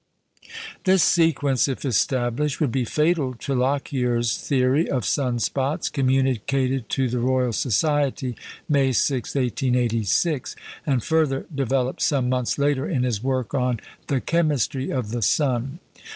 This sequence, if established, would be fatal to Lockyer's theory of sun spots, communicated to the Royal Society, May 6, 1886, and further developed some months later in his work on The Chemistry of the Sun.